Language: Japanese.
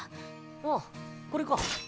ああこれか。